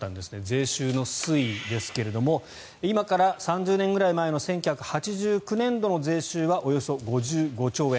税収の推移ですが今から３０年ぐらい前の１９８９年度の税収はおよそ５５兆円。